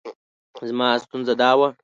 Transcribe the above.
زما ستونزه دا وه.